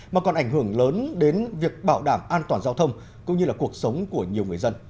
mà còn ảnh hưởng lớn đến việc bảo đảm an toàn giao thông cũng như là cuộc sống của nhiều người dân